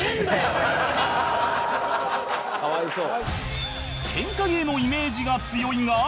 「かわいそう」